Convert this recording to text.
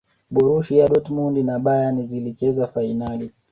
borusia dortmund na bayern zilicheza fainali